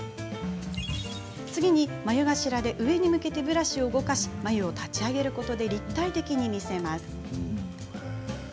次に、眉頭で上に向けてブラシを動かし眉を立ち上げていくことで立体的に見せます。